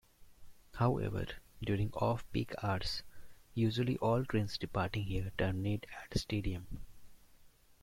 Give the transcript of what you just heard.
However, during off peak hours, usually all trains departing here terminate at Stadium.